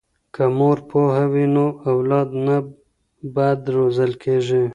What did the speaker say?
که مور پوهه وي نو اولاد نه بد روزل کیږي.